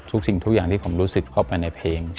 สิ่งทุกอย่างที่ผมรู้สึกเข้าไปในเพลง